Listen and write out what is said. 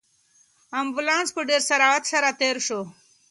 امبولانس په ډېر سرعت سره تېر شو.